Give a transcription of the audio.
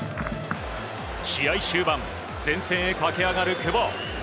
試合終盤、前線へ駆け上がる久保。